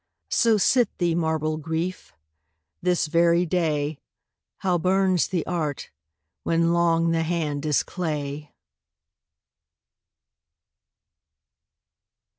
So sit thee, marble Grief ! this very day How burns the art when long the hand is clay